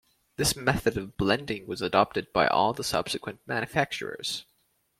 This method of blending was adopted by all the subsequent manufacturers.